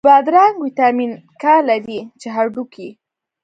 بادرنګ ویټامین K لري، چې هډوکی